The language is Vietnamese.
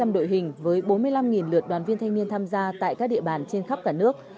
một trăm linh đội hình với bốn mươi năm lượt đoàn viên thanh niên tham gia tại các địa bàn trên khắp cả nước